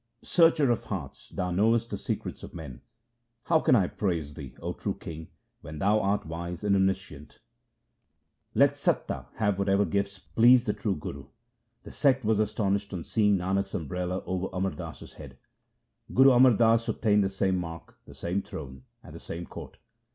Searcher of hearts, thou knowest the secrets of men. How can I praise thee, O true king, when thou art wise and omniscient ? Let Satta have whatever gifts please the true Guru. The sect was astonished on seeing Nanak's umbrella over Amar Das's head. Guru Amar Das obtained the same mark, the same throne, and the same court.